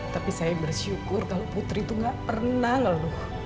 tapi saya bersyukur kalau putri itu gak pernah ngeluh